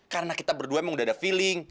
karena kita berdua emang udah ada feeling